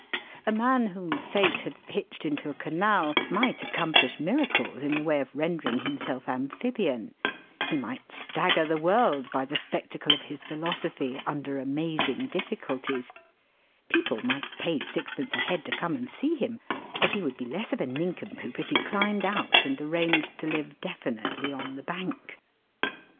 A man whom fate had pitched into a canal might accomplish miracles in the way of rendering himself amphibian; he might stagger the world by the spectacle of his philosophy under amazing difficulties; people might pay sixpence a head to come and see him; but he would be less of a nincompoop if he climbed out and arranged to live definitely on the bank.